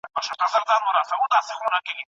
ژوند تر دې درېیو راتاوه دایره ده